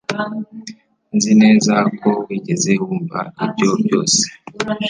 Nzi neza ko wigeze wumva ibyo byose